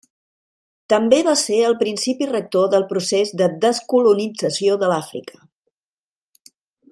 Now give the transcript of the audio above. També va ser el principi rector del procés de descolonització de l'Àfrica.